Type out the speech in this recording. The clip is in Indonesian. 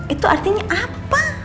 itu artinya apa